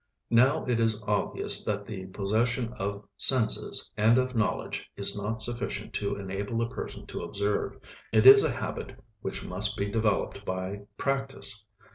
Now it is obvious that the possession of senses and of knowledge is not sufficient to enable a person to observe; it is a habit which must be developed by practise.